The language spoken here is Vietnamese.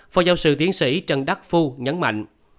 phó giáo sư tiến sĩ trần đắc phu nhấn mạnh